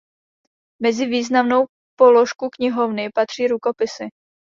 Mezi významnou položku knihovny patří rukopisy.